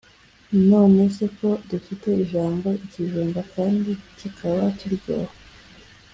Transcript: none se ko dufite ijambo ikijumba kandi kikaba kiryoha,